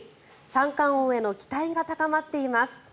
三冠王への期待が高まっています。